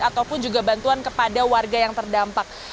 ataupun juga bantuan kepada warga yang terdampak